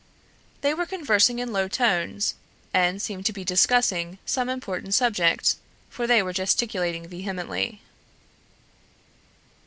They were conversing in low tones, and seemed to be discussing some important subject, for they were gesticulating vehemently.